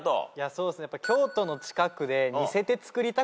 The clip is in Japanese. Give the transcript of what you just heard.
そうっすね。